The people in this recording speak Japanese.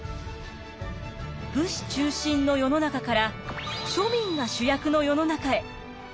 武士中心の世の中から庶民が主役の世の中へ。